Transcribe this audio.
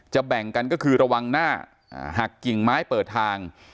แบ่งกันก็คือระวังหน้าหักกิ่งไม้เปิดทาง